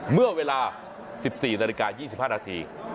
เมื่อเวลาสิบสี่นาฬิกายี่สิบห้านาที